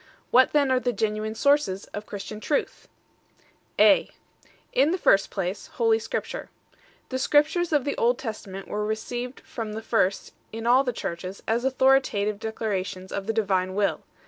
What then are the .genuine sources of Christian truth ? A. _In the first place, Holy Scripture 1 . The Scriptures of the Old Testament were received from the first in all the Churches as authoritative declarations of the Divine Will.